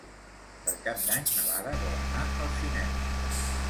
Per Cap d'Any na Lara vol anar al cinema.